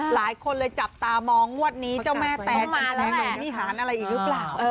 หลายคนเลยจับตามองงวดนี้เจ้าแม่แตนนี่หาอะไรอีกหรือเปล่า